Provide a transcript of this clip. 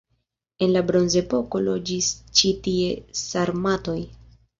En la bronzepoko loĝis ĉi tie sarmatoj.